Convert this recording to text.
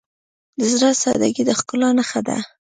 د زړه سادگی د ښکلا نښه ده.